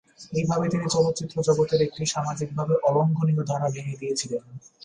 এইভাবে তিনি চলচ্চিত্র জগতের একটি সামাজিকভাবে অলঙ্ঘনীয় ধারা ভেঙ্গে দিয়েছিলেন।